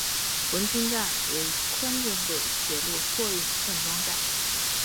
珲春站为宽准轨铁路货运换装站。